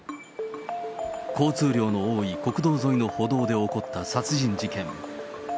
交通量の多い国道沿いの歩道で起こった殺人事件。